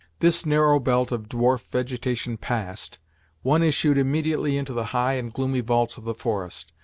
This narrow belt of dwarf vegetation passed, one issued immediately into the high and gloomy vaults of the forest.